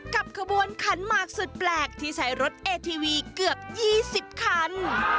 ขบวนขันหมากสุดแปลกที่ใช้รถเอทีวีเกือบ๒๐คัน